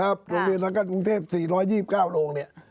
โรงเรียนสังกัดกรุงเทพ๔๒๙โรงเนี่ย